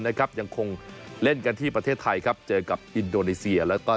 ตามโปรแกรมทั้งนั้นต้องไปเดียนติมอลายสเตยนะครับ